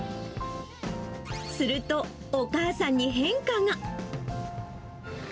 すると、お母さんに変化が。